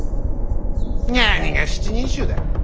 何が７人衆だ。